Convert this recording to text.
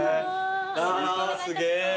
あすげえ。